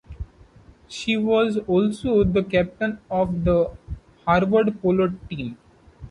She was also the captain of the Harvard Polo Team.